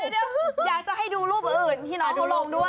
เดี๋ยวอยากจะให้ดูรูปอื่นที่น้องเขาลงด้วย